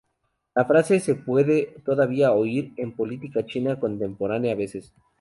La frase se puede todavía oír en política china contemporánea a veces.